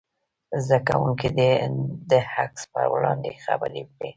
زده کوونکي دې د عکس په وړاندې خبرې وکړي.